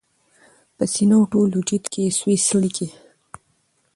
په سینه او ټول وجود کي یې سوې څړیکي